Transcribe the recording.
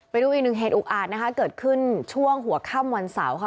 ไปดูอีกหนึ่งเหตุอุกอาจนะคะเกิดขึ้นช่วงหัวค่ำวันเสาร์ค่ะ